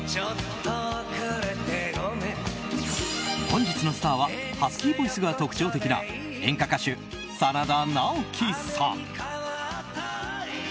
本日のスターはハスキーボイスが特徴的な演歌歌手・真田ナオキさん。